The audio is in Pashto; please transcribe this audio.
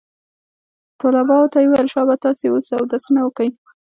طلباو ته يې وويل شابه تاسې اودسونه وکئ.